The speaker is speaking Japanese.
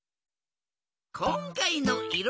こんかいのいろ